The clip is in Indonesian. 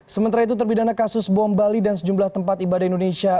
sementara itu terpidana kasus bom bali dan sejumlah tempat ibadah indonesia